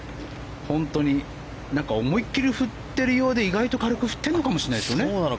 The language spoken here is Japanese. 思い切り振っているようで意外と軽く振っているのかもしれないですね。